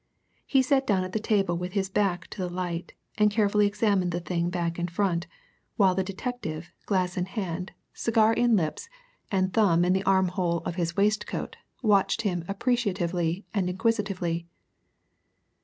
He sat down at the table with his back to the light, and carefully examined the thing back and front, while the detective, glass in hand, cigar in lips, and thumb in the armhole of his waistcoat, watched him appreciatively and inquisitively.